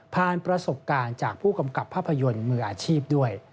ประสบการณ์จากผู้กำกับภาพยนตร์มืออาชีพด้วย